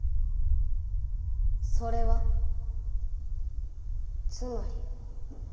それはつまり。